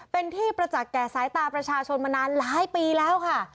เป็นที่ประจักษ์แก่สายตาประชาชนมานานหลายปีแล้วค่ะ